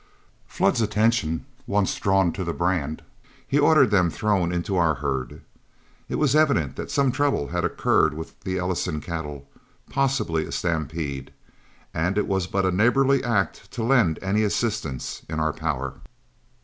Flood's attention once drawn to the brand, he ordered them thrown into our herd. It was evident that some trouble had occurred with the Ellison cattle, possibly a stampede; and it was but a neighborly act to lend any assistance in our power.